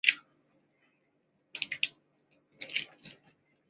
他的研究兴趣包括超新星环境和星际气体。